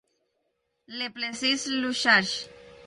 Le Plessis-Luzarches